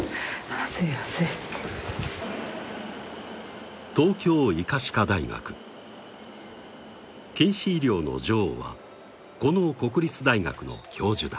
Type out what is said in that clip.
すいません近視医療の女王はこの国立大学の教授だ